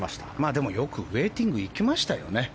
でも、よくウェイティングいきましたよね。